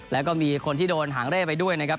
แล้วก็มีคนที่โดนหางเร่ไปด้วยนะครับ